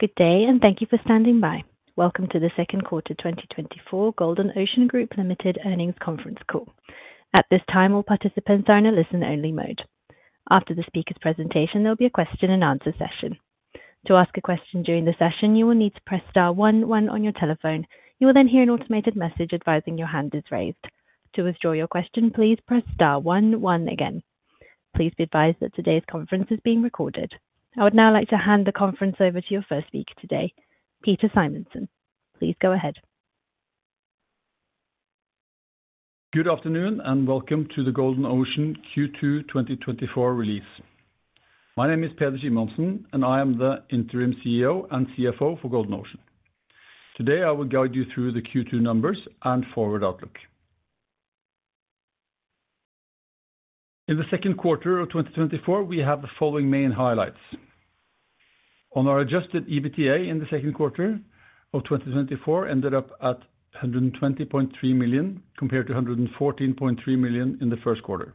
Good day, and thank you for standing by. Welcome to the second quarter twenty twenty-four Golden Ocean Group Limited Earnings Conference Call. At this time, all participants are in a listen-only mode. After the speaker's presentation, there'll be a question-and-answer session. To ask a question during the session, you will need to press star one one on your telephone. You will then hear an automated message advising your hand is raised. To withdraw your question, please press star one one again. Please be advised that today's conference is being recorded. I would now like to hand the conference over to your first speaker today, Peder Simonsen. Please go ahead. Good afternoon, and welcome to the Golden Ocean Q2 2024 release. My name is Peder Simonsen, and I am the Interim CEO and CFO for Golden Ocean. Today, I will guide you through the Q2 numbers and forward outlook. In the second quarter of 2024, we have the following main highlights. On our Adjusted EBITDA in the second quarter of 2024 ended up at $120.3 million, compared to $114.3 million in the first quarter.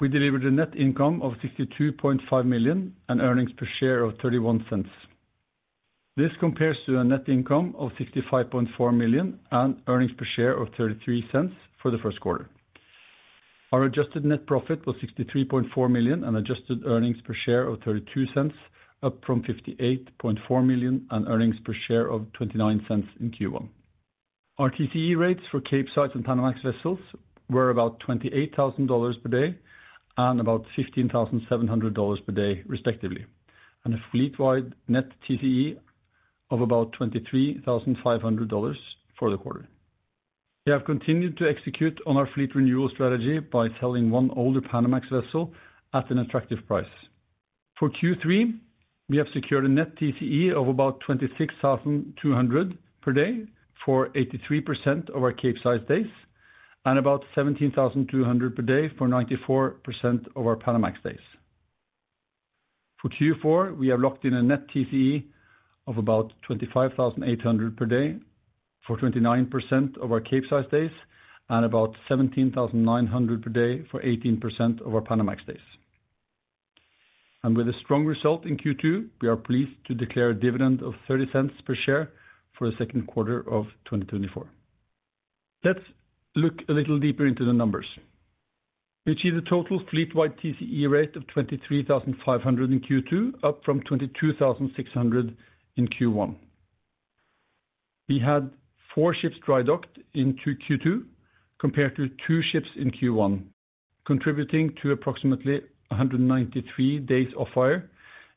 We delivered a net income of $62.5 million and earnings per share of $0.31. This compares to a net income of $65.4 million and earnings per share of $0.33 for the first quarter. Our adjusted net profit was $63.4 million and adjusted earnings per share of $0.32, up from $58.4 million and earnings per share of $0.29 in Q1. Our TCE rates for Capesize and Panamax vessels were about $28,000 per day and about $15,700 per day, respectively, and a fleet-wide net TCE of about $23,500 for the quarter. We have continued to execute on our fleet renewal strategy by selling one older Panamax vessel at an attractive price. For Q3, we have secured a net TCE of about $26,200 per day for 83% of our Capesize days, and about $17,200 per day for 94% of our Panamax days. For Q4, we have locked in a net TCE of about $25,800 per day for 29% of our Capesize days, and about $17,900 per day for 18% of our Panamax days. And with a strong result in Q2, we are pleased to declare a dividend of $0.30 per share for the second quarter of 2024. Let's look a little deeper into the numbers. We achieved a total fleet-wide TCE rate of $23,500 in Q2, up from $22,600 in Q1. We had four ships drydocked into Q2, compared to two ships in Q1, contributing to approximately 193 days of off-hire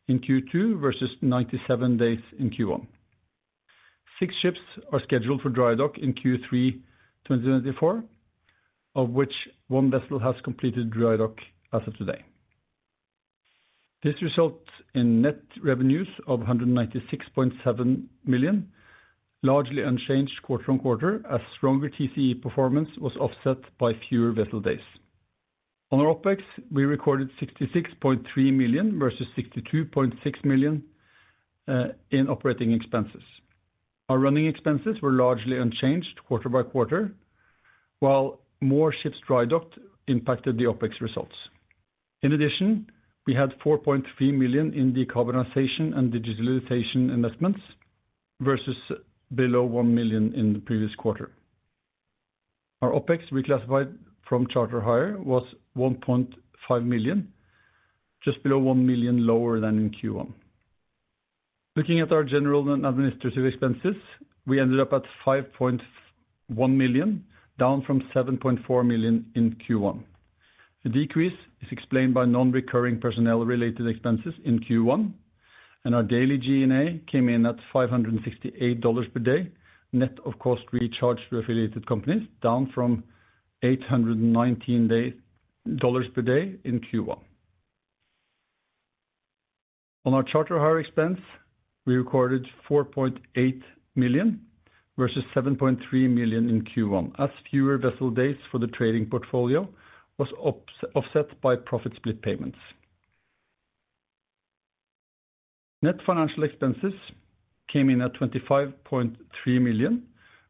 in Q2 versus 97 days in Q1. Six ships are scheduled for drydock in Q3 2024, of which one vessel has completed drydock as of today. This results in net revenues of $196.7 million, largely unchanged quarter on quarter, as stronger TCE performance was offset by fewer vessel days. On our OpEx, we recorded $66.3 million versus $62.6 million in operating expenses. Our running expenses were largely unchanged quarter by quarter, while more ships drydocked impacted the OpEx results. In addition, we had $4.3 million in decarbonization and digitalization investments versus below $1 million in the previous quarter. Our OpEx reclassified from charter hire was $1.5 million, just below $1 million lower than in Q1. Looking at our general and administrative expenses, we ended up at $5.1 million, down from $7.4 million in Q1. The decrease is explained by non-recurring personnel related expenses in Q1, and our daily G&A came in at $568 per day, net of cost recharged to affiliated companies, down from $819 per day in Q1. On our charter hire expense, we recorded $4.8 million versus $7.3 million in Q1, as fewer vessel days for the trading portfolio was offset by profit split payments. Net financial expenses came in at $25.3 million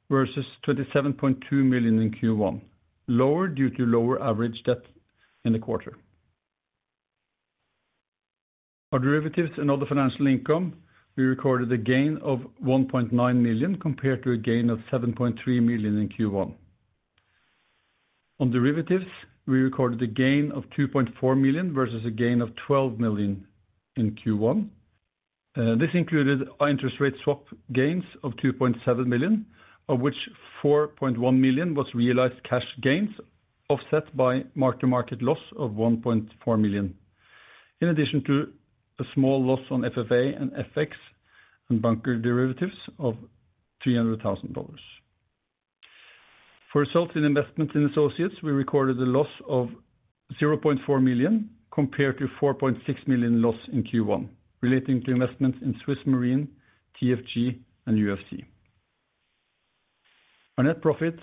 versus $37.2 million in Q1, lower due to lower average debt in the quarter. Our derivatives and other financial income, we recorded a gain of $1.9 million, compared to a gain of $7.3 million in Q1. On derivatives, we recorded a gain of $2.4 million versus a gain of $12 million in Q1. This included our interest rate swap gains of $2.7 million, of which $4.1 million was realized cash gains, offset by mark-to-market loss of $1.4 million. In addition to a small loss on FFA and FX and bunker derivatives of $300,000. For results in investments in associates, we recorded a loss of $0.4 million compared to $4.6 million loss in Q1, relating to investments in SwissMarine, TFG, and UFC. Our net profit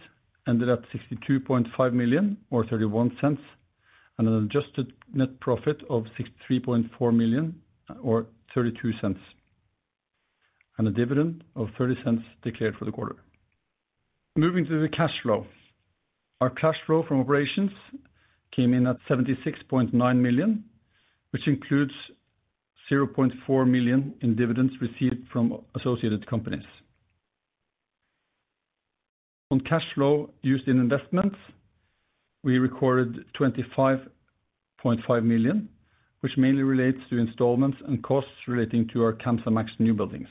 ended at $62.5 million or $0.31, and an adjusted net profit of $63.4 million or $0.32, and a dividend of $0.30 declared for the quarter. Moving to the cash flow. Our cash flow from operations came in at $76.9 million, which includes $0.4 million in dividends received from associated companies. On cash flow used in investments, we recorded $25.5 million, which mainly relates to installments and costs relating to our Kamsarmax newbuildings.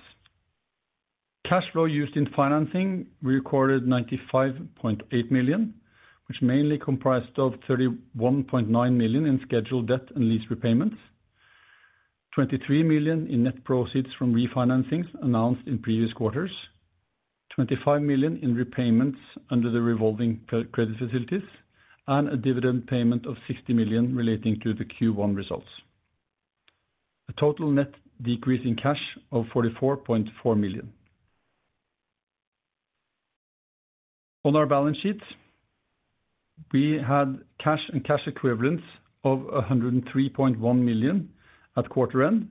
Cash flow used in financing, we recorded $95.8 million, which mainly comprised of $31.9 million in scheduled debt and lease repayments, $23 million in net proceeds from refinancings announced in previous quarters, $25 million in repayments under the revolving credit facilities, and a dividend payment of $60 million relating to the Q1 results. A total net decrease in cash of $44.4 million. On our balance sheet, we had cash and cash equivalents of $103.1 million at quarter end,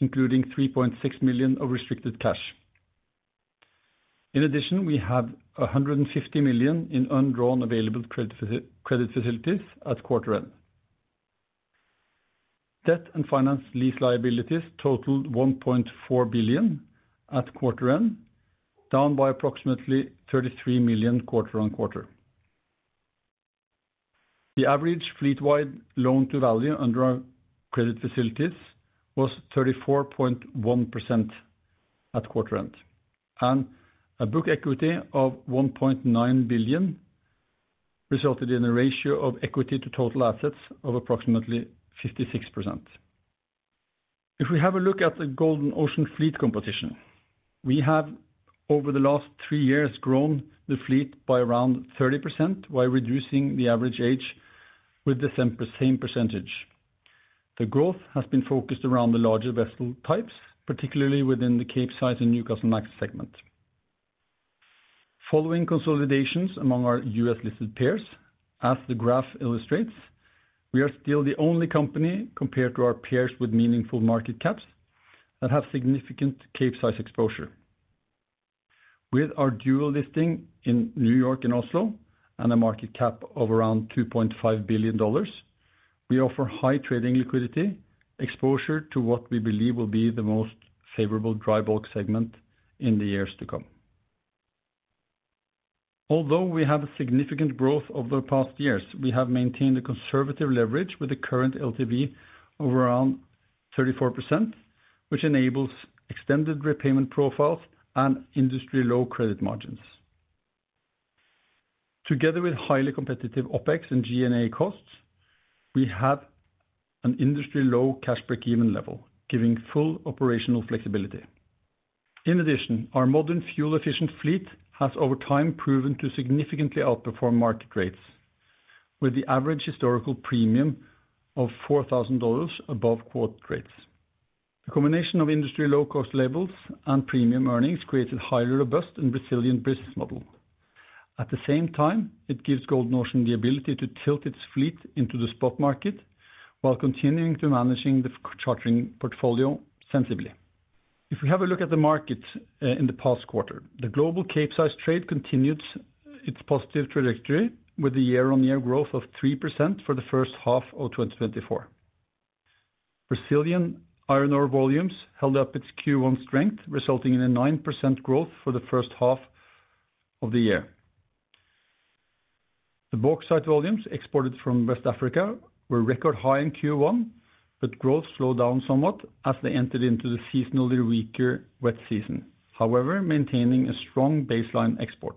including $3.6 million of restricted cash. In addition, we have $150 million in undrawn available credit facilities at quarter end. Debt and finance lease liabilities totaled $1.4 billion at quarter end, down by approximately $33 million quarter on quarter. The average fleet-wide loan to value under our credit facilities was 34.1% at quarter end, and a book equity of $1.9 billion resulted in a ratio of equity to total assets of approximately 56%. If we have a look at the Golden Ocean fleet composition, we have, over the last three years, grown the fleet by around 30%, while reducing the average age with the same percentage. The growth has been focused around the larger vessel types, particularly within the Capesize and Newcastlemax segment. Following consolidations among our U.S.-listed peers, as the graph illustrates, we are still the only company compared to our peers with meaningful market caps that have significant Capesize exposure. With our dual listing in New York and Oslo, and a market cap of around $2.5 billion, we offer high trading liquidity, exposure to what we believe will be the most favorable dry bulk segment in the years to come. Although we have a significant growth over the past years, we have maintained a conservative leverage with the current LTV of around 34%, which enables extended repayment profiles and industry-low credit margins. Together with highly competitive OpEx and G&A costs, we have an industry-low cash break-even level, giving full operational flexibility. In addition, our modern fuel-efficient fleet has, over time, proven to significantly outperform market rates, with the average historical premium of $4,000 above quoted rates. The combination of industry low-cost levels and premium earnings creates a highly robust and resilient business model. At the same time, it gives Golden Ocean the ability to tilt its fleet into the spot market while continuing to manage the chartering portfolio sensibly. If we have a look at the market, in the past quarter, the global Capesize trade continued its positive trajectory with a year-on-year growth of 3% for the first half of 2024. Brazilian iron ore volumes held up its Q1 strength, resulting in a 9% growth for the first half of the year. The bauxite volumes exported from West Africa were record high in Q1, but growth slowed down somewhat as they entered into the seasonally weaker wet season, however, maintaining a strong baseline export.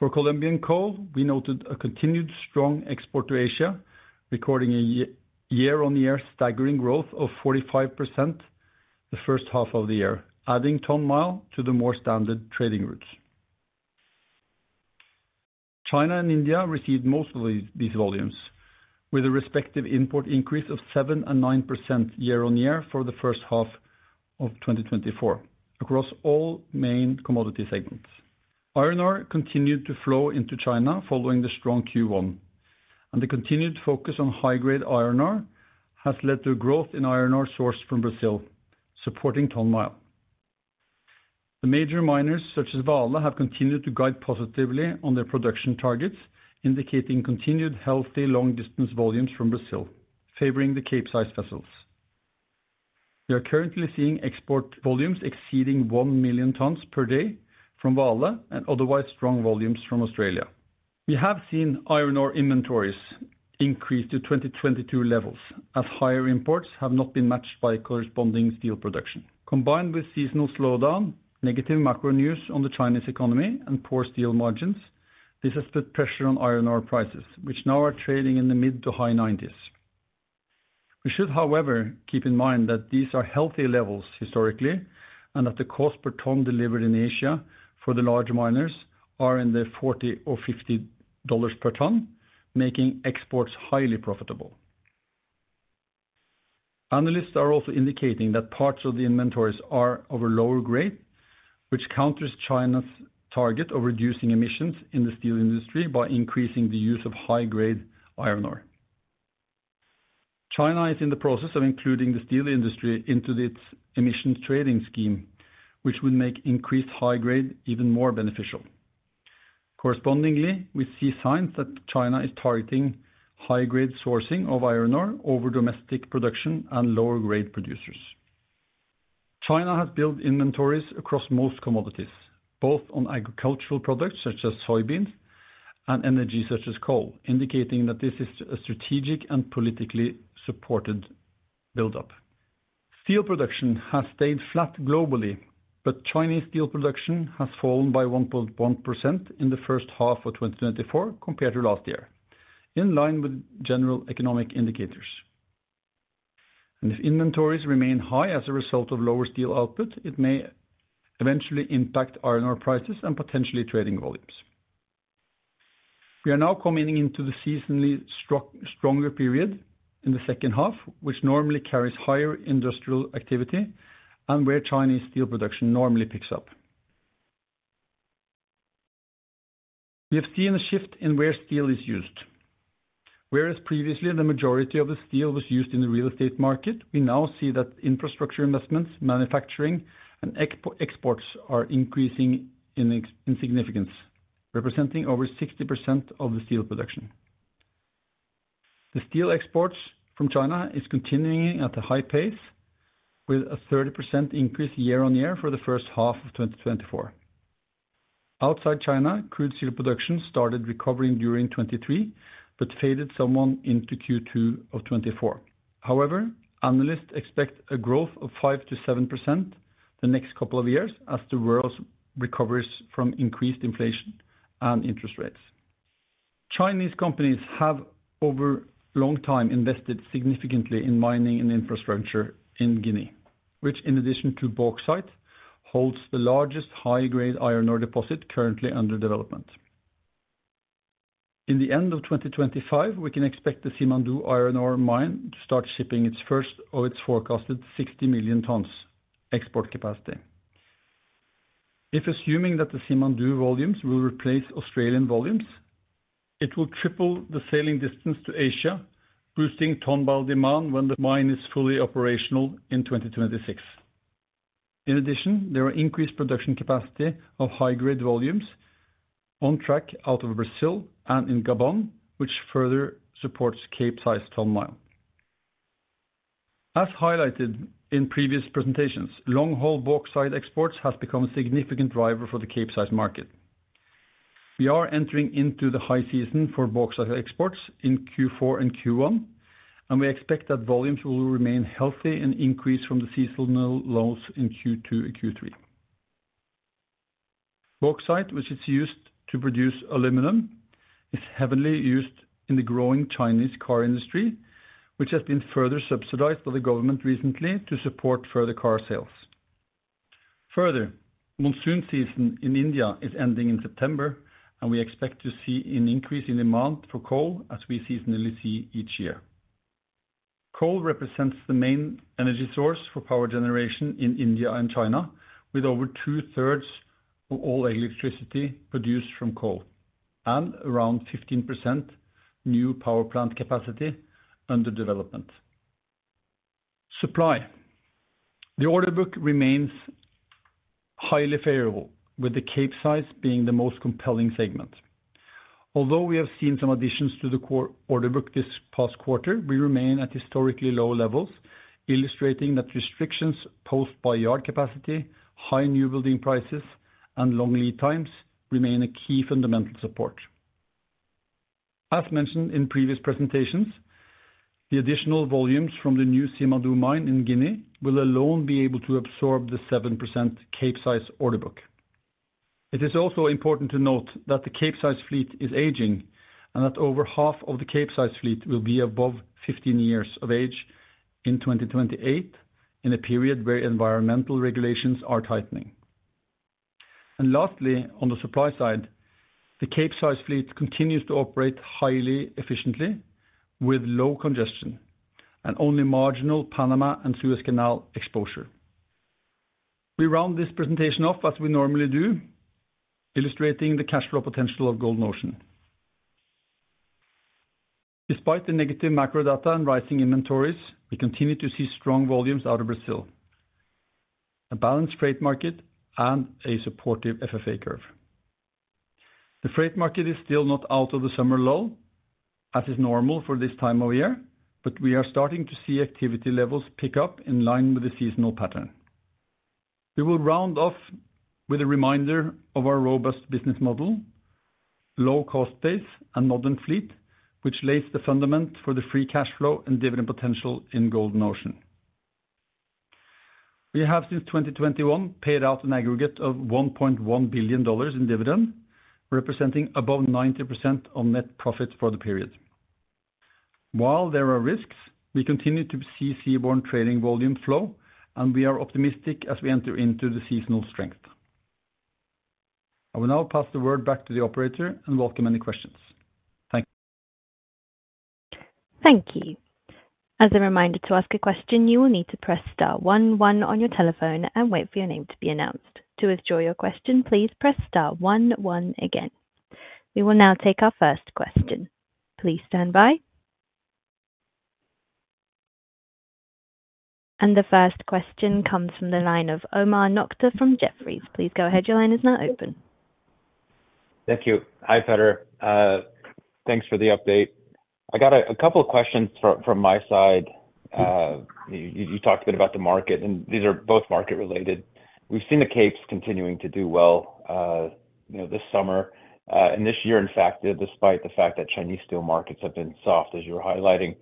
For Colombian coal, we noted a continued strong export to Asia, recording a year-on-year staggering growth of 45% the first half of the year, adding ton-mile to the more standard trading routes. China and India received most of these volumes, with a respective import increase of 7% and 9% year-on-year for the first half of 2024 across all main commodity segments. Iron ore continued to flow into China following the strong Q1, and the continued focus on high-grade iron ore has led to growth in iron ore sourced from Brazil, supporting ton-mile. The major miners, such as Vale, have continued to guide positively on their production targets, indicating continued healthy long-distance volumes from Brazil, favoring the Capesize vessels. We are currently seeing export volumes exceeding 1 million tons per day from Vale and otherwise strong volumes from Australia. We have seen iron ore inventories increase to 2022 levels, as higher imports have not been matched by corresponding steel production. Combined with seasonal slowdown, negative macro news on the Chinese economy, and poor steel margins, this has put pressure on iron ore prices, which now are trading in the mid to high nineties. We should, however, keep in mind that these are healthy levels historically, and that the cost per ton delivered in Asia for the large miners are in the forty or fifty dollars per ton, making exports highly profitable. Analysts are also indicating that parts of the inventories are of a lower grade, which counters China's target of reducing emissions in the steel industry by increasing the use of high-grade iron ore. China is in the process of including the steel industry into its emissions trading scheme, which would make increased high grade even more beneficial. Correspondingly, we see signs that China is targeting high grade sourcing of iron ore over domestic production and lower grade producers. China has built inventories across most commodities, both on agricultural products, such as soybeans, and energy, such as coal, indicating that this is a strategic and politically supported buildup. Steel production has stayed flat globally, but Chinese steel production has fallen by 1.1% in the first half of 2024 compared to last year, in line with general economic indicators, and if inventories remain high as a result of lower steel output, it may eventually impact iron ore prices and potentially trading volumes. We are now coming into the seasonally stronger period in the second half, which normally carries higher industrial activity and where Chinese steel production normally picks up. We have seen a shift in where steel is used. Whereas previously, the majority of the steel was used in the real estate market, we now see that infrastructure investments, manufacturing, and exports are increasing in significance, representing over 60% of the steel production. The steel exports from China is continuing at a high pace, with a 30% increase year on year for the first half of 2024. Outside China, crude steel production started recovering during 2023, but faded somewhat into Q2 of 2024. However, analysts expect a growth of 5% to 7% the next couple of years as the world recovers from increased inflation and interest rates. Chinese companies have, over long time, invested significantly in mining and infrastructure in Guinea, which in addition to bauxite, holds the largest high-grade iron ore deposit currently under development. At the end of 2025, we can expect the Simandou iron ore mine to start shipping its first of its forecasted 60 million tons export capacity. If assuming that the Simandou volumes will replace Australian volumes, it will triple the sailing distance to Asia, boosting ton-mile demand when the mine is fully operational in 2026. In addition, there are increased production capacity of high-grade volumes on track out of Brazil and in Gabon, which further supports Capesize ton-mile. As highlighted in previous presentations, long-haul bauxite exports has become a significant driver for the Capesize market. We are entering into the high season for bauxite exports in Q4 and Q1, and we expect that volumes will remain healthy and increase from the seasonal lows in Q2 and Q3. Bauxite, which is used to produce aluminum, is heavily used in the growing Chinese car industry, which has been further subsidized by the government recently to support further car sales. Further, monsoon season in India is ending in September, and we expect to see an increase in demand for coal as we seasonally see each year. Coal represents the main energy source for power generation in India and China, with over two-thirds of all electricity produced from coal and around 15% new power plant capacity under development. Supply. The order book remains highly favorable, with the Capesize being the most compelling segment. Although we have seen some additions to the core order book this past quarter, we remain at historically low levels, illustrating that restrictions posed by yard capacity, high new building prices, and long lead times remain a key fundamental support. As mentioned in previous presentations, the additional volumes from the new Simandou mine in Guinea will alone be able to absorb the 7% Capesize order book. It is also important to note that the Capesize fleet is aging, and that over half of the Capesize fleet will be above 15 years of age in 2028, in a period where environmental regulations are tightening, and lastly, on the supply side, the Capesize fleet continues to operate highly efficiently with low congestion and only marginal Panama and Suez Canal exposure. We round this presentation off as we normally do, illustrating the cash flow potential of Golden Ocean. Despite the negative macro data and rising inventories, we continue to see strong volumes out of Brazil, a balanced freight market and a supportive FFA curve. The freight market is still not out of the summer lull, as is normal for this time of year, but we are starting to see activity levels pick up in line with the seasonal pattern. We will round off with a reminder of our robust business model, low cost base and modern fleet, which lays the fundament for the free cash flow and dividend potential in Golden Ocean. We have, since 2021, paid out an aggregate of $1.1 billion in dividend, representing above 90% on net profit for the period. While there are risks, we continue to see seaborne trading volume flow, and we are optimistic as we enter into the seasonal strength. I will now pass the word back to the operator and welcome any questions. Thank you. Thank you. As a reminder, to ask a question, you will need to press star one one on your telephone and wait for your name to be announced. To withdraw your question, please press star one one again. We will now take our first question. Please stand by, and the first question comes from the line of Omar Nokta from Jefferies. Please go ahead. Your line is now open. Thank you. Hi, Peder. Thanks for the update. I got a couple of questions from my side. You talked a bit about the market, and these are both market related. We've seen the Capes continuing to do well, you know, this summer, and this year, in fact, despite the fact that Chinese steel markets have been soft, as you were highlighting.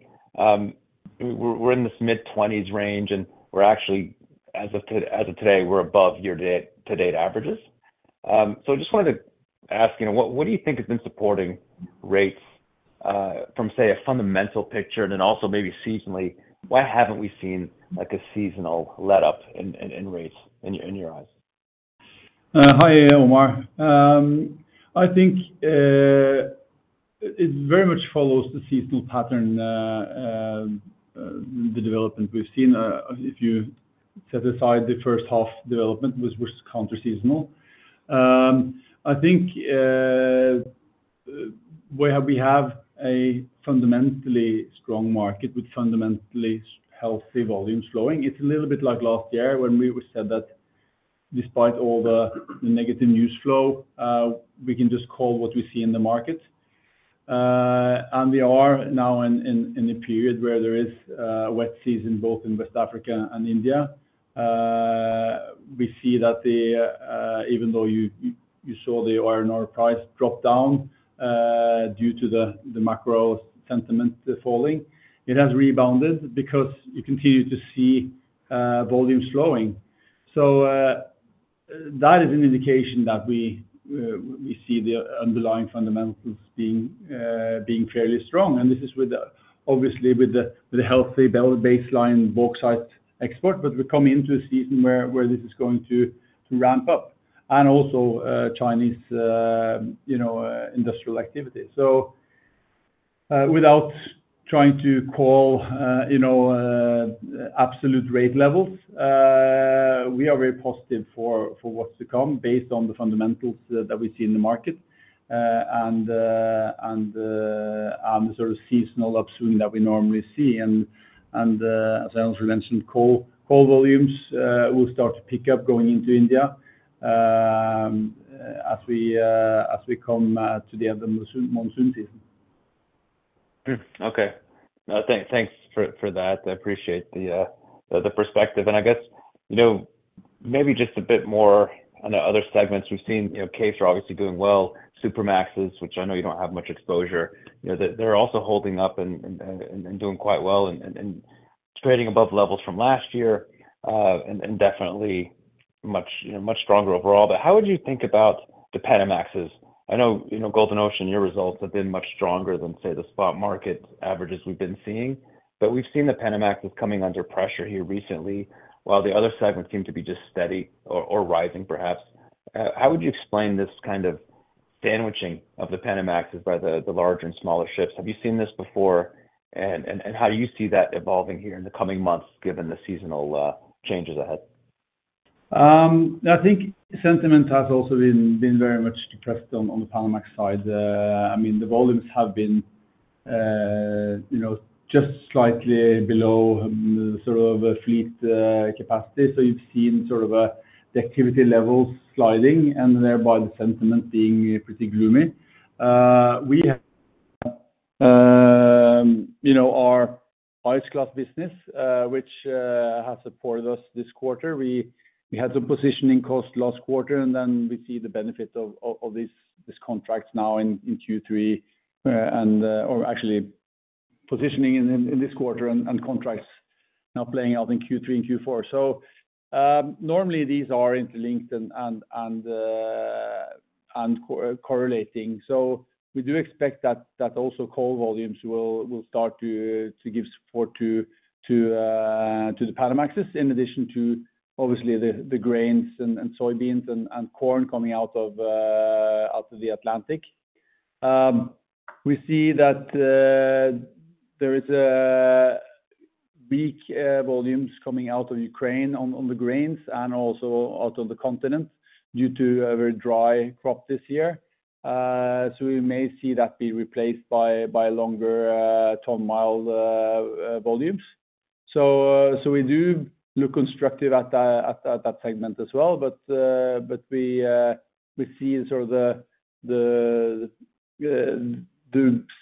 We're in this mid-twenties range, and we're actually, as of today, we're above year to date averages. So just wanted to ask, you know, what do you think has been supporting rates, from, say, a fundamental picture and then also maybe seasonally, why haven't we seen, like, a seasonal letup in rates in your eyes? Hi, Omar. I think it very much follows the seasonal pattern, the development we've seen, if you set aside the first half development, which was counterseasonal. I think where we have a fundamentally strong market with fundamentally healthy volumes flowing, it's a little bit like last year when we said that despite all the negative news flow, we can just call what we see in the market. We are now in a period where there is wet season both in West Africa and India. We see that even though you saw the iron ore price drop down due to the macro sentiment falling, it has rebounded because you continue to see volumes flowing. So that is an indication that we see the underlying fundamentals being fairly strong. And this is with the obviously healthy baseline bauxite export. But we're coming into a season where this is going to ramp up, and also Chinese you know industrial activity. So without trying to call you know absolute rate levels, we are very positive for what's to come based on the fundamentals that we see in the market, and the sort of seasonal upswing that we normally see. And as I also mentioned, coal volumes will start to pick up going into India, as we come to the end of monsoon season. Okay. Thanks for that. I appreciate the perspective. And I guess, you know, maybe just a bit more on the other segments we've seen. You know, Capes are obviously doing well. Supramaxes, which I know you don't have much exposure, you know, they're also holding up and doing quite well and trading above levels from last year and definitely much stronger overall. But how would you think about the Panamaxes? I know, you know, Golden Ocean, your results have been much stronger than, say, the spot market averages we've been seeing. But we've seen the Panamaxes coming under pressure here recently, while the other segments seem to be just steady or rising, perhaps. How would you explain this kind of sandwiching of the Panamaxes by the larger and smaller ships? Have you seen this before? And how do you see that evolving here in the coming months, given the seasonal changes ahead? I think sentiment has also been very much depressed on the Panamax side. I mean, the volumes have been, you know, just slightly below sort of a fleet capacity. So you've seen sort of the activity levels sliding and thereby the sentiment being pretty gloomy. We have, you know, our ice class business, which has supported us this quarter. We had some positioning cost last quarter, and then we see the benefit of these contracts now in Q3, and or actually positioning in this quarter and contracts now playing out in Q3 and Q4. So normally these are interlinked and correlating. So we do expect that also coal volumes will start to give support to the Panamaxes, in addition to obviously the grains and soybeans and corn coming out of the Atlantic. We see that there is big volumes coming out of Ukraine on the grains and also out of the continent due to a very dry crop this year. So we may see that be replaced by longer ton-mile volumes. So we do look constructive at that segment as well. But we see sort of the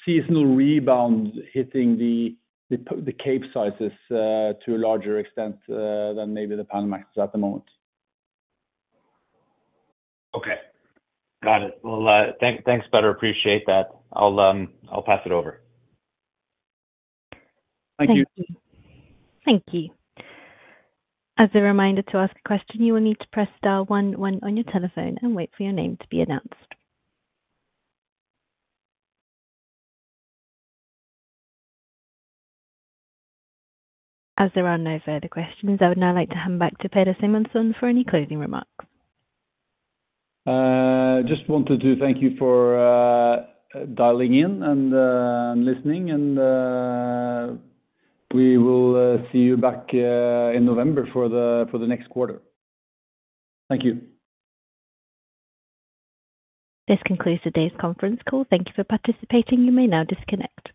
seasonal rebound hitting the Capesizes to a larger extent than maybe the Panamaxes at the moment. Okay. Got it. Well, thanks, Peder. Appreciate that. I'll pass it over. Thank you. Thank you. As a reminder, to ask a question, you will need to press star one one on your telephone and wait for your name to be announced. As there are no further questions, I would now like to hand back to Peder Simonsen for any closing remarks. Just wanted to thank you for dialing in and listening, and we will see you back in November for the next quarter. Thank you. This concludes today's conference call. Thank you for participating. You may now disconnect.